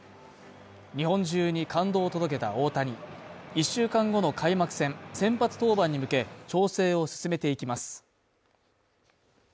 日本中に感動を届けた大谷１週間後の開幕戦先発登板に向け調整を進めていきます。